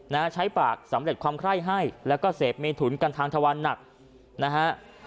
นะฮะใช้ปากสำเร็จความไคร้ให้แล้วก็เสพเมถุนกันทางทวันหนักนะฮะ